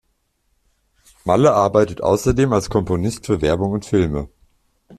Maile arbeitet außerdem als Komponist für Werbung und Filme.